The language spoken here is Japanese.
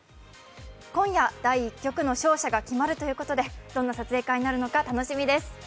今夜、第１局の勝者が決まるということで、どんな撮影会になるか楽しみです。